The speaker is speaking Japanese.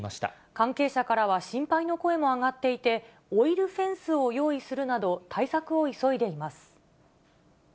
関係者からは心配の声も上がっていて、オイルフェンスを用意するなど、対策を急いでいます。